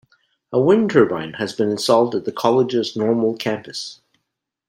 A Wind-turbine has been installed at the College's Normal campus.